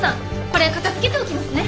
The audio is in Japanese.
これ片づけておきますね。